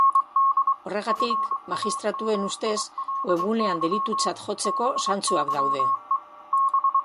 Horregatik, magistratuen ustez, webgunean delitutzat jotzeko zantzuak daude.